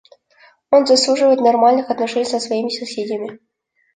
Он заслуживает нормальных отношений со своими соседями.